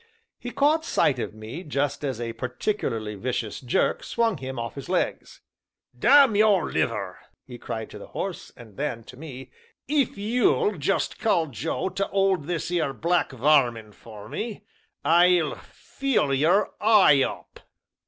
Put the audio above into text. He caught sight of me just as a particularly vicious jerk swung him off his legs. "Damn your liver!" he cried to the horse, and then, to me: "If you'll jest call Joe to 'old this 'ere black varmin for me, I'll fill yer eye up."